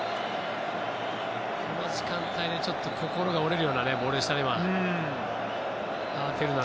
この時間帯で、ちょっと心が折れるようなボールでしたね。